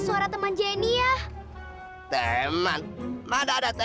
kalian badan kain ini sudah terbakar